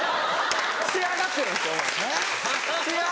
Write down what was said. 仕上がってるんですもう。